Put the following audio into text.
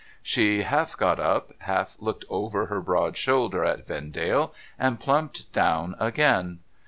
She half got up, half looked over her broad shoulder at Vendale, and plumped down again.